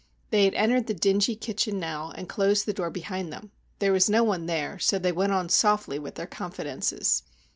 They had entered the dingy kitchen now and closed the door behind them. There was no one there, so they went on softly with their confidences.